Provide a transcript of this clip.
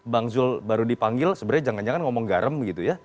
bang zul baru dipanggil sebenarnya jangan jangan ngomong garam gitu ya